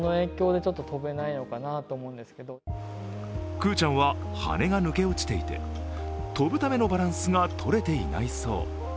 クーちゃんは羽が抜け落ちていて飛ぶためのバランスがとれていないそう。